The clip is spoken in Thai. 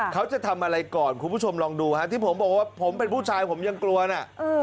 เขาจะทำอะไรก่อนคุณผู้ชมลองดูฮะที่ผมบอกว่าผมเป็นผู้ชายผมยังกลัวนะ